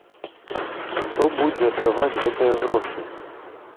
Хто будзе аддаваць гэтыя грошы?